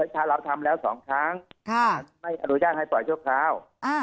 ถ้าเราทำแล้ว๒ครั้งสารไม่อนุญาตให้ปล่อยชั่วคราว